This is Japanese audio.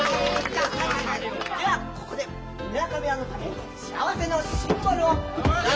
ではここで梅若部屋のために幸せのシンボルを。